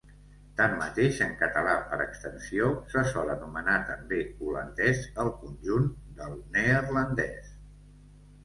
Tanmateix en català, per extensió, se sol anomenar també holandès el conjunt del neerlandès.